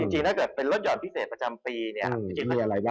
ให้กับคนของเรานะครับ